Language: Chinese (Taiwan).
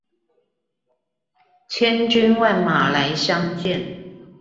千軍萬馬來相見